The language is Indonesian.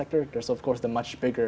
ada juga sektor yang lebih besar